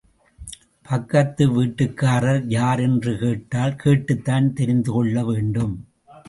பக்கத்து வீட்டுக்காரர் யார் என்று கேட்டால் கேட்டுத்தான் தெரிந்துகொள்ளவேண்டும்.